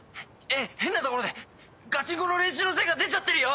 変なところで『ガチンコ！』の練習の成果出ちゃってるよ！